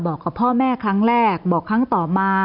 บอกกับพ่อแม่ครั้งแรกบอกครั้งต่อมา